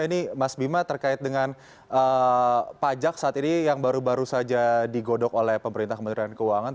ini mas bima terkait dengan pajak saat ini yang baru baru saja digodok oleh pemerintah kementerian keuangan